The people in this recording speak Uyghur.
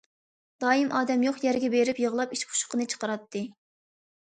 دائىم ئادەم يوق يەرگە بېرىپ يىغلاپ، ئىچ پۇشۇقىنى چىقىراتتى.